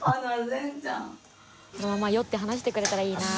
このまま酔って話してくれたらいいなぁ。